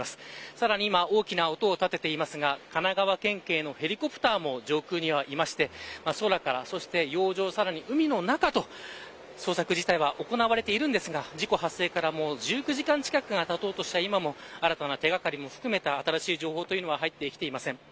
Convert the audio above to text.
さらに大きな音立てていますが神奈川県警のヘリコプターも上空にはいまして空から、さらに海の中と捜索自体は行われていますが事故発生から１９時間近くたとうとしている中新しい情報は入ってきていません。